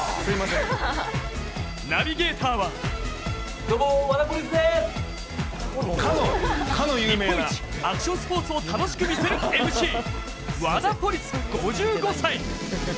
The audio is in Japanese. ナビゲーターは日本一アクションポリスを楽しく見せるＭＣワダポリス、５５歳。